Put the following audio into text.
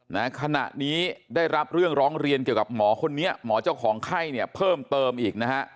นะขณะนี้ได้รับเรื่องร้องเรียนเกี่ยวกับหมอคนนี้หมอเจ้าของไข้เนี่ยเพิ่มเติมอีกนะฮะ